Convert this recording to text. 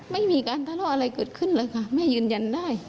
ไม่มีการเงลอกอะไรเกิดขึ้นเหลือกะแม่ยืนยันได้